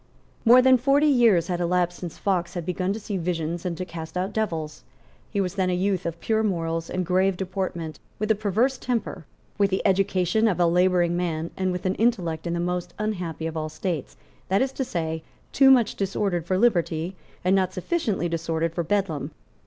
More than forty years had elapsed since Fox had begun to see visions and to cast out devils. He was then a youth of pure morals and grave deportment, with a perverse temper, with the education of a labouring man, and with an intellect in the most unhappy of all states, that is to say, too much disordered for liberty, and not sufficiently disordered for Bedlam.